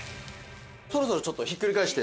そろそろちょっとひっくり返して。